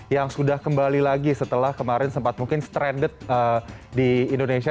yang sudah kembali lagi setelah kemarin sempat mungkin stranded di indonesia